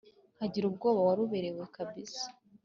nkagira ubwoba waruberewe kabisa.